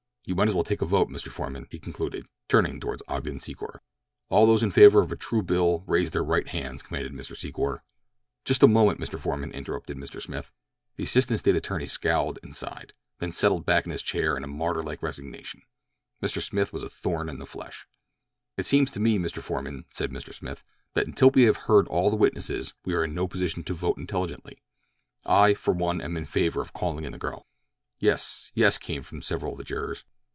You might as well take a vote, Mr. Foreman," he concluded, turning toward Ogden Secor. "All those in favor of a true bill raise their right hands," commanded Mr. Secor. "Just a moment, Mr. Foreman," interrupted Mr. Smith. The assistant State attorney scowled and sighed, then settled back in his chair in martyr like resignation. Mr. Smith was a thorn in the flesh. "It seems to me, Mr. Foreman," said Mr. Smith, "that until we have heard all the witnesses we are in no position to vote intelligently. I, for one, am in favor of calling in the girl." "Yes," "Yes," came from several of the jurors.